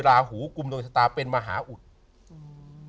ลาหูกุมดวงชะตาเป็นมหาอุทธิ์